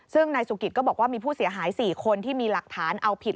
ซึ่งนายสุกิตก็บอกว่ามีผู้เสียหาย๔คนที่มีหลักฐานเอาผิด